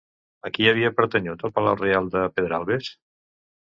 A qui havia pertanyut el Palau Reial de Pedralbes?